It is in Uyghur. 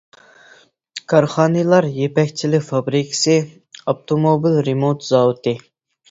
كارخانىلار يىپەكچىلىك فابرىكىسى، ئاپتوموبىل رېمونت زاۋۇتى.